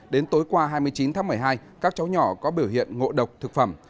đến tối qua hai mươi chín tháng một mươi hai các cháu nhỏ có biểu hiện ngộ độc thực phẩm